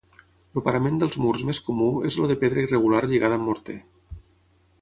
El parament dels murs més comú és el de pedra irregular lligada amb morter.